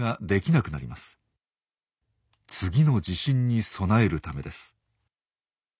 次の地震に備えるためです。